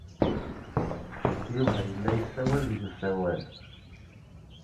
Yuba yella la yessawal deg usawal.